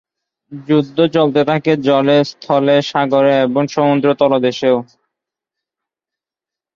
যুদ্ধ চলতে থাকে জলে, স্থলে, সাগরে এবং সমুদ্রতলদেশেও।